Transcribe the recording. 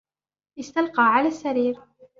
استلقى على السرير.